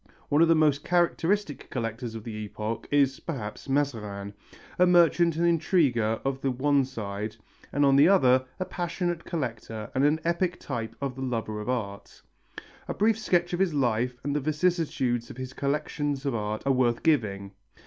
One of the most characteristic collectors of the epoch is, perhaps, Mazarin, a merchant and intriguer on the one side, and on the other a passionate collector and an epic type of the lover of art. A brief sketch of his life and of the vicissitudes of his collections of art are worth giving.